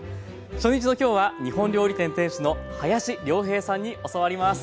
初日の今日は日本料理店店主の林亮平さんに教わります。